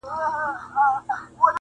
که دي زوی وي که دي ورور که دي بابا دی-